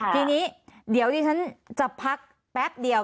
ทีนี้เดี๋ยวดิฉันจะพักแป๊บเดียว